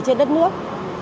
trên đất nước